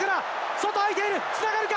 外、あいている、つながるか？